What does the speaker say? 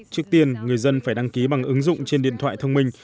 trước tiên người dân phải đăng ký bằng ứng dụng trên điện thoại thông minh